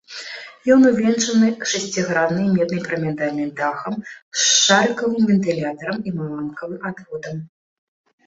Ён увенчаны шасціграннай меднай пірамідальным дахам з шарыкавым вентылятарам і маланкавы адводам.